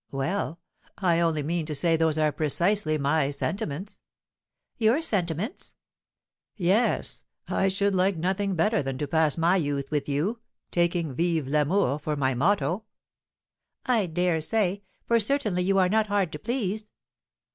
"Well! I only mean to say those are precisely my sentiments." "Your sentiments?" "Yes, I should like nothing better than to pass my youth with you, taking 'Vive l'amour!' for my motto." "I dare say, for certainly you are not hard to please."